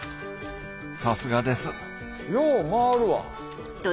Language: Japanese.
さすがですよう回るわ。